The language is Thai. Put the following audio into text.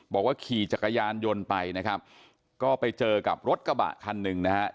บอกว่าขี่จักรยานยนต์ไปนะครับก็ไปเจอกับรถกระบะคันหนึ่งนะครับ